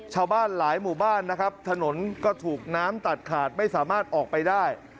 ชาวบ้านหลายหมู่บ้านนะครับถนนก็ถูกน้ำตัดขาดไม่สามารถออกไปได้